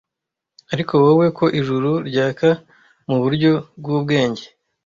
Ariko wowe ko ijuru ryaka muburyo bwubwenge.